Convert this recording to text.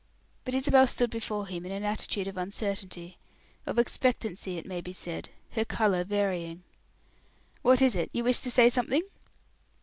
But Isabel stood before him in an attitude of uncertainty of expectancy, it may be said, her color varying. "What is it, you wish to say something?"